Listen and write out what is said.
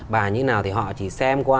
bài như thế nào thì họ chỉ xem qua